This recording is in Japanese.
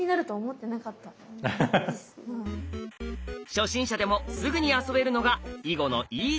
初心者でもすぐに遊べるのが囲碁のいいところ。